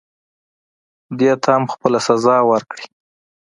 دې ته هم خپله سزا ورکړئ.